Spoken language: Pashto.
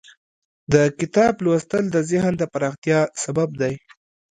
د کتاب لوستل د ذهن د پراختیا سبب دی.